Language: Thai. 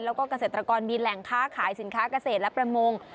แล้วก็เกษตรกรมีแหล่งค้าขายสินค้าเกษตรและประมง